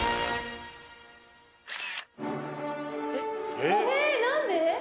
えっ何で？